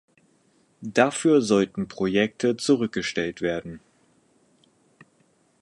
Dafür sollten Projekte zurückgestellt werden.